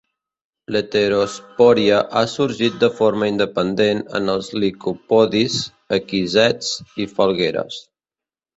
L'heterospòria ha sorgit de forma independent en els licopodis, equisets i falgueres.